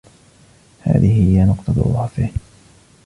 هذه هي نقطة ضعفه.